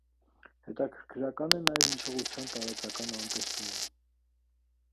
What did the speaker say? Հետաքրքրական է նաև հիշողության տարածական անտեսումը։